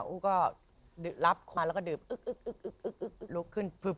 อูกก็รับความแล้วก็ดื่มลุกขึ้น